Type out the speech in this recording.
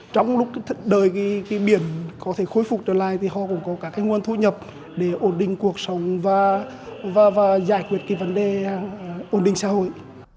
trong lúc đời biển có thể khôi phục trở lại thì họ cũng có các nguồn thu nhập để ổn định cuộc sống và giải quyết cái vấn đề ổn định xã hội